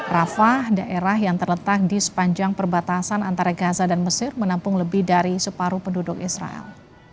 rafa daerah yang terletak di sepanjang perbatasan antara gaza dan mesir menampung lebih dari separuh penduduk israel